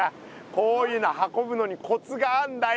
こういうのは運ぶのにコツがあんだよ。